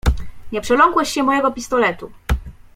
"Nie przeląkłeś się mojego pistoletu."